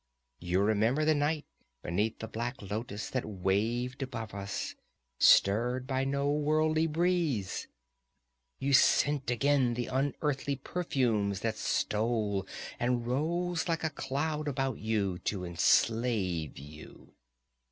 You remember the night beneath the black lotus that waved above us, stirred by no worldly breeze; you scent again the unearthly perfumes that stole and rose like a cloud about you to enslave you.